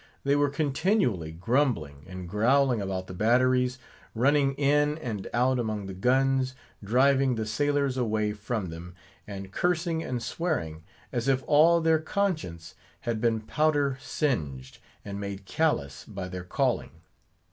They were continually grumbling and growling about the batteries; running in and out among the guns; driving the sailors away from them; and cursing and swearing as if all their conscience had been powder singed, and made callous, by their calling.